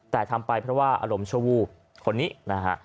แต่ทำไปเพราะว่าอารมณ์ชั่ววูบคนนี้นะฮะ